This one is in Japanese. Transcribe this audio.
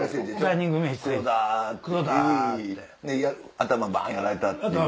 頭バン！やられたっていう。